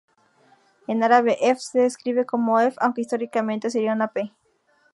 En árabe "f" se escribe como "f", aunque históricamente sería una "p".